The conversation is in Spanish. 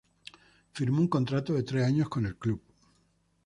Firmó un contrato de tres años con el club.